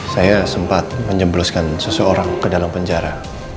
saya sempat menjembloskan seseorang ke dalam penjara